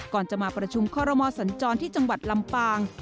ก่อนจะมาประชุมคอรมอสัญจรที่จังหวัดลำปาง